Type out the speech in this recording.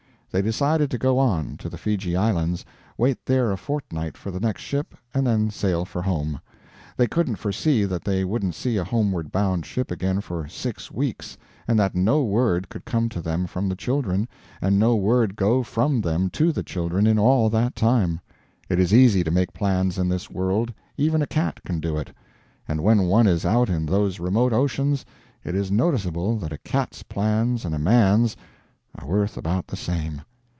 They decided to go on, to the Fiji islands, wait there a fortnight for the next ship, and then sail for home. They couldn't foresee that they wouldn't see a homeward bound ship again for six weeks, and that no word could come to them from the children, and no word go from them to the children in all that time. It is easy to make plans in this world; even a cat can do it; and when one is out in those remote oceans it is noticeable that a cat's plans and a man's are worth about the same.